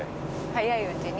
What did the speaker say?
早いうちに？